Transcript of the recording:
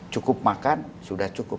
cukup makan sudah cukup